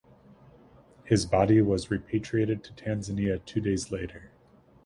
His body was repatriated to Tanzania two days later.